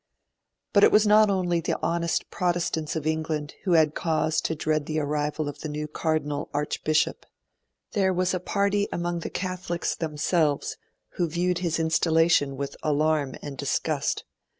But it was not only the honest Protestants of England who had cause to dread the arrival of the new Cardinal Archbishop; there was a party among the Catholics themselves who viewed his installation with alarm and disgust.